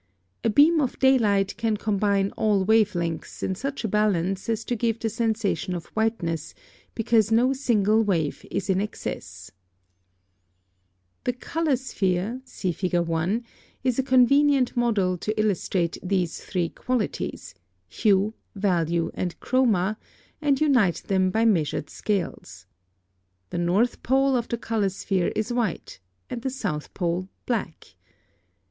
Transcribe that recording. A beam of daylight can combine all wave lengths in such balance as to give the sensation of whiteness, because no single wave is in excess. [Footnote 8: See definition of White in Glossary.] (24) The color sphere (see Fig. 1) is a convenient model to illustrate these three qualities, hue, value, and chroma, and unite them by measured scales. (25) The north pole of the color sphere is white, and the south pole black.